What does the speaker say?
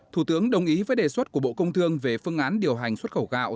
thủ tướng đồng ý với đề xuất của bộ công thương về phương án điều hành xuất khẩu gạo